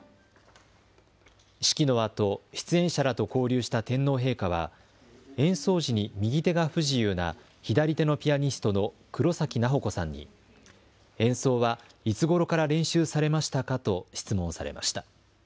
式のあと、出演者らと交流した天皇陛下は、演奏時に右手が不自由な左手のピアニストの黒崎菜保子さんに、演奏はいつごろから練習されましたかと質問されました。